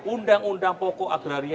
undang undang pokok agraria